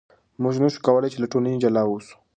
موږ نشو کولای له ټولنې جلا اوسو.